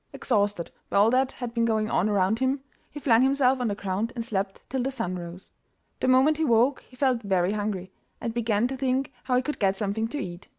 Exhausted by all that had been going on round him, he flung himself on the ground and slept till the sun rose. The moment he woke he felt very hungry, and began to think how he could get something to eat.